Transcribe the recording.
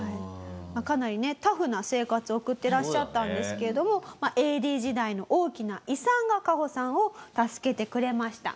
かなりねタフな生活を送ってらっしゃったんですけどもＡＤ時代の大きな遺産がカホさんを助けてくれました。